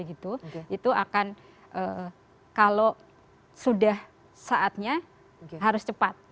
itu akan kalau sudah saatnya harus cepat